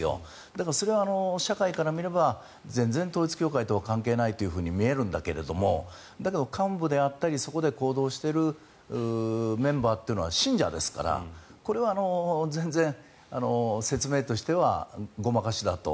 だけどそれは社会から見れば全然、統一教会とは関係がないというふうに見えるんだけどもだけど、幹部であったりそこで行動しているメンバーは信者ですからこれは全然、説明としてはごまかしだと。